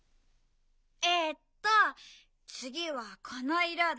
えっとつぎはこのいろで。